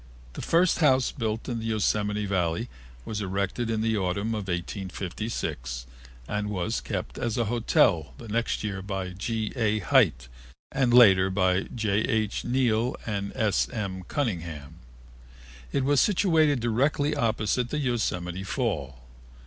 The first house built in the Yosemite Valley was erected in the autumn of 1856 and was kept as a hotel the next year by G. A. Hite and later by J. H. Neal and S. M. Cunningham. It was situated directly opposite the Yosemite Fall.